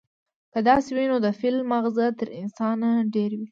که داسې وي، نو د فيل ماغزه تر انسانه ډېر وي،